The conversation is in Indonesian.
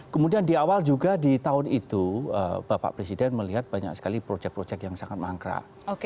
kemudian di awal juga di tahun itu bapak presiden melihat banyak sekali projek projek yang sangat mangkrak